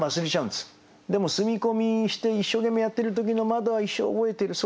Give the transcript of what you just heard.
でも住み込みして一生懸命やってる時の窓は一生覚えてる。